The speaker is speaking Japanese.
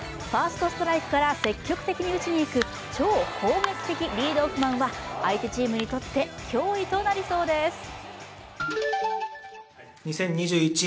ファーストストライクから積極的に打ちに行く超攻撃的リードオフマンは相手チームにとって脅威となりそうです。